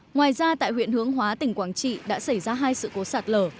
ngoài ra tại huyện hướng hóa tỉnh quảng trị đã xảy ra hai sự cố sạt lở